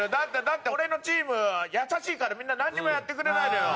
だって俺のチーム優しいからみんななんにもやってくれないのよ。